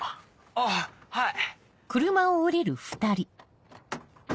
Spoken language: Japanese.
あっはい。